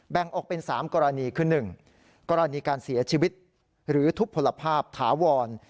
แบ่งออกเป็น๓กรณีคือ๑กรณีการเสียชีวิตหรือทุบพลภาพถาวร